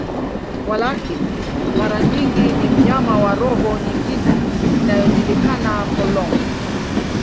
Walakini, mara nyingi ni mnyama wa roho nyingine inayojulikana, polong.